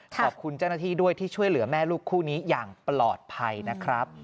ขอบคุณเจ้าหน้าที่ด้วยที่ช่วยเหลือแม่ลูกคู่นี้อย่างปลอดภัยนะครับ